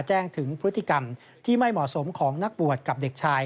แจ้งถึงพฤติกรรมที่ไม่เหมาะสมของนักบวชกับเด็กชาย